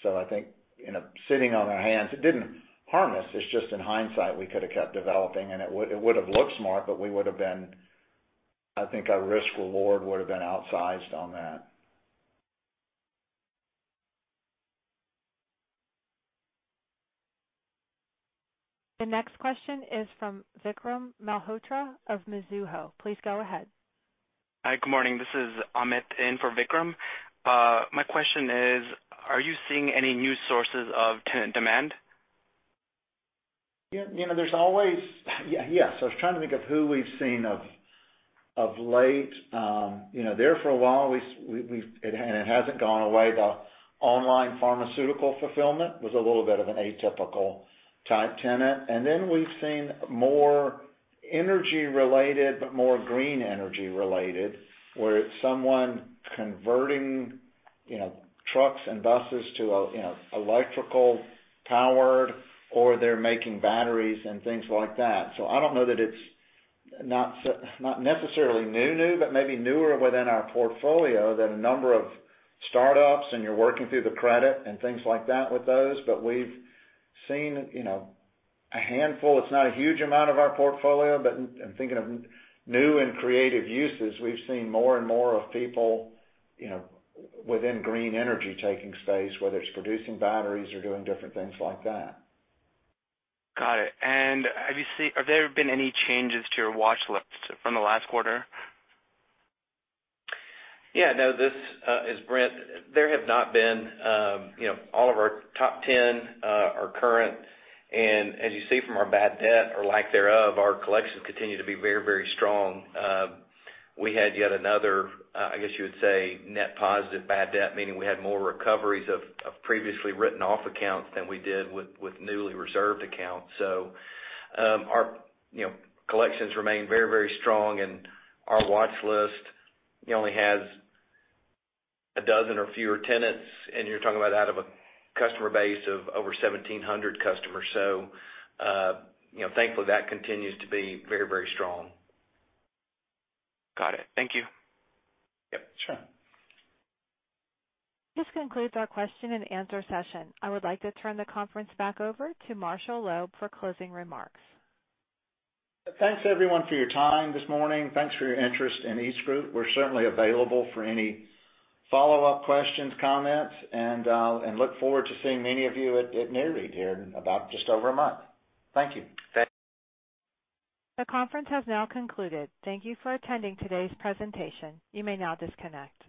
I think, you know, sitting on our hands, it didn't harm us. It's just in hindsight, we could've kept developing, and it would've looked smart, but we would've been. I think our risk/reward would've been outsized on that. The next question is from Vikram Malhotra of Mizuho. Please go ahead. Hi. Good morning. This is Amit in for Vikram. My question is, are you seeing any new sources of tenant demand? You know, there's always. Yes, I was trying to think of who we've seen of late. You know, there for a while, we've had it and it hasn't gone away, the online pharmaceutical fulfillment was a little bit of an atypical type tenant. We've seen more energy-related, but more green energy related, where it's someone converting, you know, trucks and buses to electrically powered, or they're making batteries and things like that. I don't know that it's not necessarily new, but maybe newer within our portfolio than a number of startups, and you're working through the credit and things like that with those. We've seen a handful. It's not a huge amount of our portfolio, but in thinking of new and creative uses, we've seen more and more of people, you know, within green energy taking space, whether it's producing batteries or doing different things like that. Got it. Have there been any changes to your watch list from the last quarter? Yeah. No, this is Brent. There have not been, you know, all of our top ten are current. As you see from our bad debt or lack thereof, our collections continue to be very, very strong. We had yet another, I guess you would say net positive bad debt, meaning we had more recoveries of previously written off accounts than we did with newly reserved accounts. Our, you know, collections remain very, very strong, and our watch list, you know, only has a dozen or fewer tenants, and you're talking about out of a customer base of over 1,700 customers. You know, thankfully, that continues to be very, very strong. Got it. Thank you. Yep. Sure. This concludes our question-and-answer session. I would like to turn the conference back over to Marshall Loeb for closing remarks. Thanks everyone for your time this morning. Thanks for your interest in EastGroup. We're certainly available for any follow-up questions, comments, and look forward to seeing many of you at NAREIT here in about just over a month. Thank you. The conference has now concluded. Thank you for attending today's presentation. You may now disconnect.